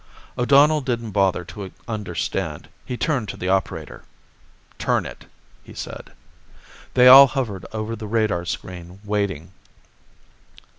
O'Donnell didn't bother to understand. He turned to the operator. "Turn it," he said. They all hovered over the radar screen, waiting.